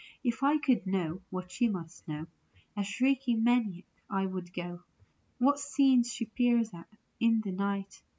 If I could know what she must know A shrieking maniac I would go. What scenes she peers at in the night